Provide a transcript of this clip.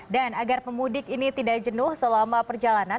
dan agar pemudik ini tidak jenuh selama perjalanan